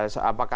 longgar lagi ya